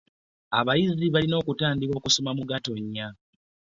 Abayizi balina okutandika okusoma mu Ggatonnya.